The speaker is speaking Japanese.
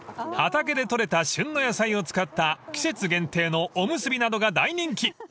［畑で取れた旬の野菜を使った季節限定のおむすびなどが大人気］